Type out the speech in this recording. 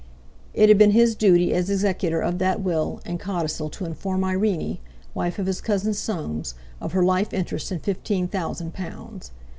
It had been his duty as executor of that will and codicil to inform Irene, wife of his cousin Soames, of her life interest in fifteen thousand pounds.